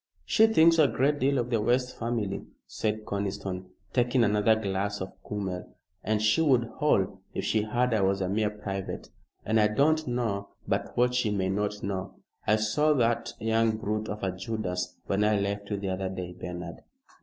She thinks a great deal of the West family," said Conniston, taking another glass of kümmel, "and she would howl if she heard I was a mere private. And I don't know but what she may not know. I saw that young brute of a Judas when I left you the other day, Bernard."